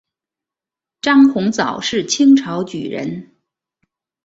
张鸿藻是清朝举人。